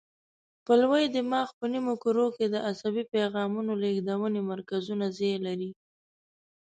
په لوی دماغ په نیمو کرو کې د عصبي پیغامونو لېږدونې مرکزونه ځای لري.